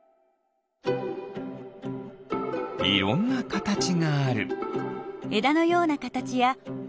いろんなかたちがある。